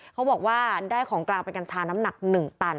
เขาบอกว่าได้ของกลางเป็นกัญชาน้ำหนัก๑ตัน